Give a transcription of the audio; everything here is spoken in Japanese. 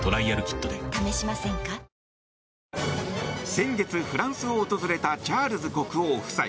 先月、フランスを訪れたチャールズ国王夫妻。